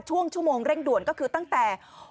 ช่วงชั่วโมงเร่งด่วนก็คือตั้งแต่